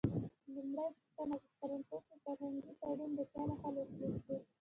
لومړۍ پوښتنه: په فرانسه کې فرهنګي تړون د چا له خوا لاسلیک شو؟